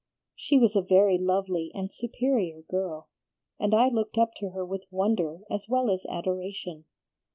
"She was a very lovely and superior girl, and I looked up to her with wonder as well as adoration.